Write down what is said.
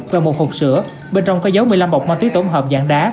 và một hộp sữa bên trong có dấu một mươi năm bọc ma túy tổng hợp dạng đá